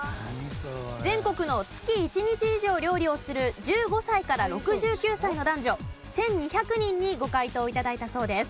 全国の月１日以上料理をする１５歳から６９歳の男女１２００人にご回答頂いたそうです。